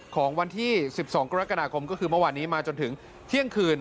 ของวันที่๑๒กรกฎาคมก็คือเมื่อวานนี้มาจนถึงเที่ยงคืน